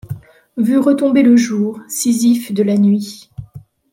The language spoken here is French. Vu retomber le jour, Sisyphe de la nuit. -